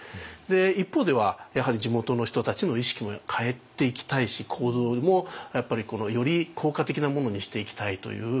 一方ではやはり地元の人たちの意識も変えていきたいし行動もより効果的なものにしていきたいという。